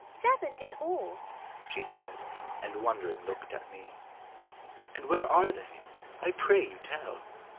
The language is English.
Seven in all," she said, And wondering looked at me. " And where are they? I pray you tell."